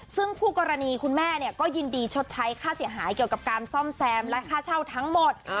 ซึ่งคู่กรณีคุณแม่ก็ยินดีชดใช้ค่าเสียหายเกี่ยวกับการซ่อมแซมและค่าเช่าทั้งหมด